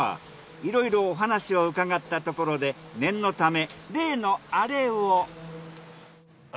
いろいろお話を伺ったところで念のため例のアレを！